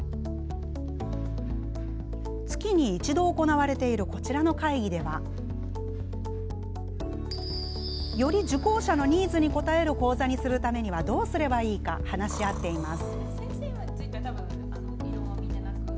月に一度、行われているこちらの会議ではより受講者のニーズに応える講座にするためにどうすればいいのか話し合っています。